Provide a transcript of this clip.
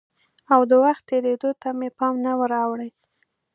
او د وخت تېرېدو ته مې پام نه وراوړي؟